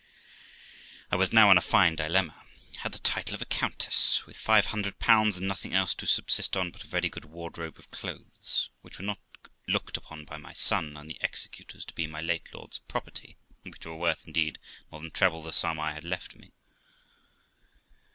I was now in a fine dilemma; had the title of a countess, with 500, and nothing else to subsist on but a very good wardrobe of clothes, which were not looked upon by my son and the executors to be my late lord's property, and which were worth, indeed, more than treble the sum I had left me.